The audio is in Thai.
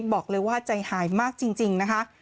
บอกเลยว่าใจหายมากจริงนะคะ